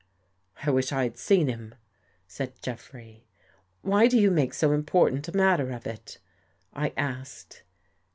" I wish I had seen him," said Jeffrey. Why do you make so important a matter of it?" I asked.